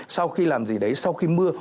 sau khi làm gì đấy sau khi mưa